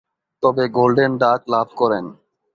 তবে, golden duck লাভ করেন।